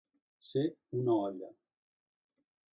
Ser una olla.